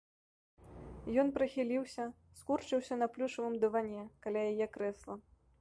Ён прыхіліўся, скурчыўся на плюшавым дыване, каля яе крэсла.